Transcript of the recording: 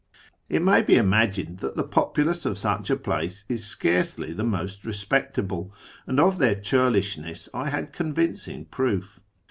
It may he inia<j;ined that the populace of such a place is scarcely the most respectable, and of their churlishness I had convincing proof.